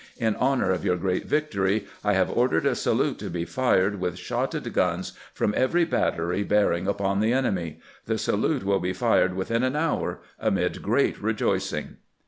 In honor of your great victory I have ordered a salute to be fired with shotted guns from every battery bearing upon the enemy. The salute will be fired within an hour, amid great rejoicing."